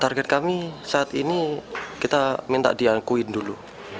target kami saat ini kita minta diakuin dulu